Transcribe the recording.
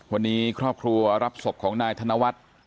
วันนี้ครอบครัวรับศพของนายธนวัฒน์